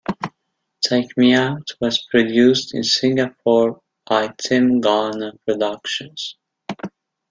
"Take Me Out" was produced in Singapore by Tim Garner Productions.